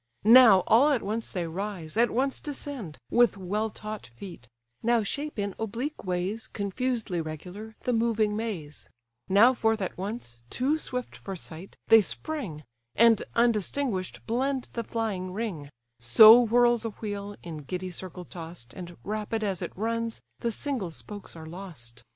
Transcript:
Now all at once they rise, at once descend, With well taught feet: now shape in oblique ways, Confusedly regular, the moving maze: Now forth at once, too swift for sight, they spring, And undistinguish'd blend the flying ring: So whirls a wheel, in giddy circle toss'd, And, rapid as it runs, the single spokes are lost.